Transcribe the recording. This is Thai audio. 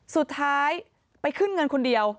สุดท้ายไปขึ้นเงินคนเดียว